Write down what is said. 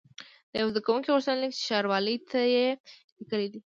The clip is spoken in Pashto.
د یوه زده کوونکي غوښتنلیک چې ښاروالۍ ته یې لیکلی دی.